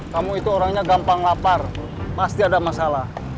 kamu itu orangnya gampang lapar pasti ada masalah